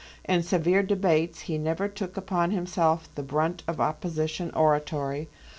In severe debates he never took upon himself the brunt of opposition oratory.